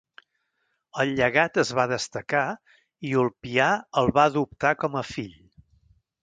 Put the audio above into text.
El llegat es va destacar i Ulpià el va adoptar com a fill.